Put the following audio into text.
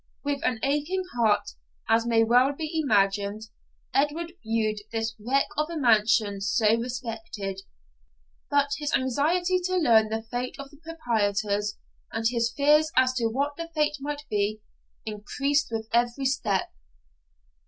With an aching heart, as may well be imagined, Edward viewed this wreck of a mansion so respected. But his anxiety to learn the fate of the proprietors, and his fears as to what that fate might be, increased with every step.